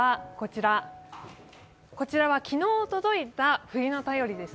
こちらは昨日届いた冬の便りです。